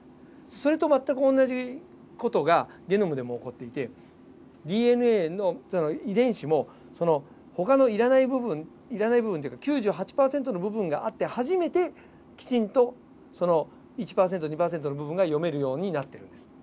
それと全く同じ事がゲノムでも起こっていてＤＮＡの遺伝子もほかの要らない部分要らない部分というか９８％の部分があって初めてきちんと１％２％の部分が読めるようになってるんです。